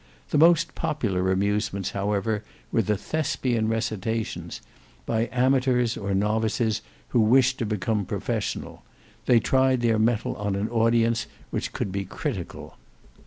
The most popular amusements however were the "Thespian recitations:" by amateurs, or novices who wished to become professional. They tried their metal on an audience which could be critical.